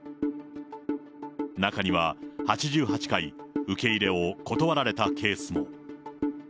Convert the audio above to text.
中には８８回、受け入れを断られたケースも。